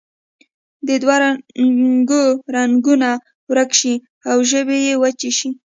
د دوه رنګو رنګونه ورک شي او ژبې یې وچې شي.